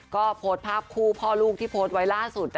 ก็โพสต์ภาพคู่พ่อลูกที่โพสต์ไว้ล่าสุด